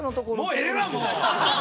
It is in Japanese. もうええわもう！